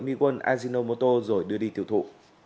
miguon ajinomoto rồi đưa đi tiêu thụ